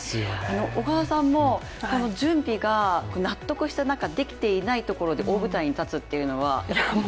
小川さんも準備が納得できていないところで大舞台に立つというのは？